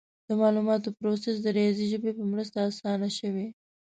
د معلوماتو پروسس د ریاضي ژبې په مرسته اسانه شوی.